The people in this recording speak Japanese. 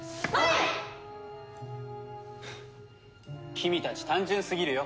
君たち単純すぎるよ。